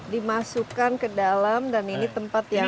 dimasukkan ke dalam dan ini tempat yang